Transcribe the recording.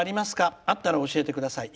あったら教えてください。